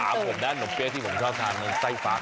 อ๋อว้าวผมได้หนมเปี้ยที่ผมชอบทานนั่นไส้ฟัก